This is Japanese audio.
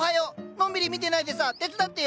のんびり見てないでさ手伝ってよ！